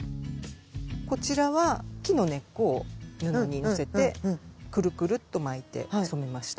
こちらは木の根っこを布にのせてくるくるっと巻いて染めました。